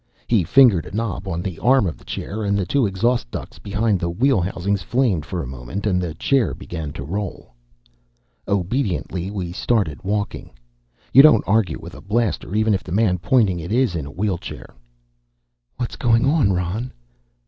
He fingered a knob on the arm of the chair and the two exhaust ducts behind the wheel housings flamed for a moment, and the chair began to roll. Obediently, we started walking. You don't argue with a blaster, even if the man pointing it is in a wheelchair. "What's going on, Ron?"